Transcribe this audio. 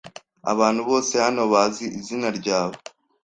Abantu bose hano bazi izina ryawe.